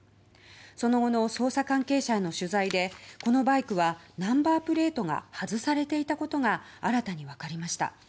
その後の捜査関係者への取材でこのバイクはナンバープレートが外されていたことが新たに分かりました。